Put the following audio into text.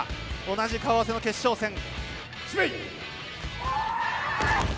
同じ顔合わせの決勝戦。